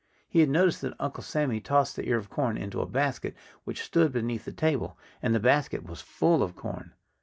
He had noticed that Uncle Sammy tossed the ear of corn into a basket which stood beneath the table. And the basket was full of corn.